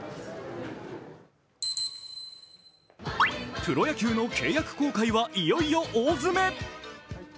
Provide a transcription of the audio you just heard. プロ野球の契約更改はいよいよ大詰め。